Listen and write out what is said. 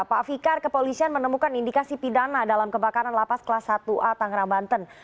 pak fikar kepolisian menemukan indikasi pidana dalam kebakaran lapas kelas satu a tangerang banten